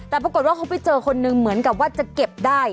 แต่ปรากฏว่าเขาไปเจอคนนึงเหมือนกับว่าจะเก็บได้